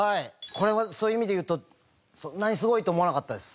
これはそういう意味で言うとそんなにすごいと思わなかったです。